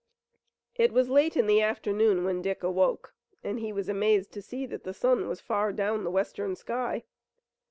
It was late in the afternoon when Dick awoke, and he was amazed to see that the sun was far down the western sky.